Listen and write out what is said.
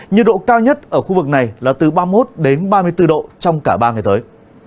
nhiệt độ cao nhất ở khu vực này là từ ba mươi một đến ba mươi bốn độ trong cả ba ngày tới